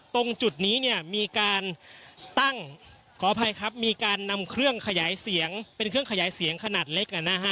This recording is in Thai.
ตรงจุดนี้มีการนำเครื่องขยายเสียงเป็นเครื่องขยายเสียงขนาดเล็ก